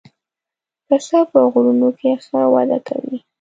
پسه په غرونو کې ښه وده کوي.